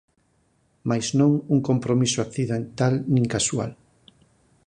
Mais non un compromiso accidental nin casual.